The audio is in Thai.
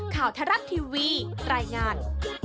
ข่าวทรัพย์ทีวีรายงาน